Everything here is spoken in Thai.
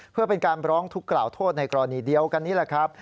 เพื่อเป็นการร้องทุกข์กล่าวโทษในกรณีเดียวกันนี่แหละครับ